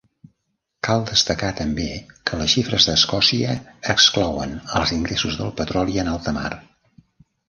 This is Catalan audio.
Cal destacar també que les xifres d'Escòcia exclouen els ingressos del petroli en alta mar.